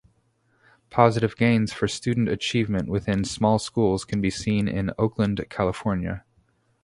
Positive gains for student achievement within small schools can be seen in Oakland California.